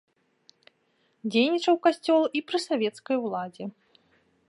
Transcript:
Дзейнічаў касцёл і пры савецкай уладзе.